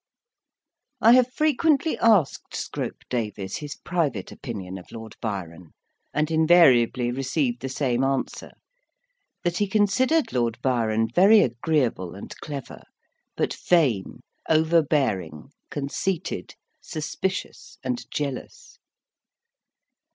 I have frequently asked Scrope Davis his private opinion of Lord Byron, and invariably received the same answer that he considered Lord Byron very agreeable and clever, but vain, overbearing, conceited, suspicious, and jealous.